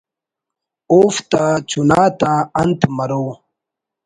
اوفتا چناتا انت مرو